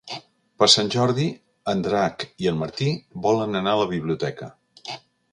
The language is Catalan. Per Sant Jordi en Drac i en Martí volen anar a la biblioteca.